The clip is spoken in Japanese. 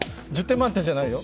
１０点満点じゃないよ。